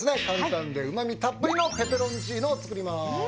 簡単でうま味たっぷりのペペロンチーノを作ります。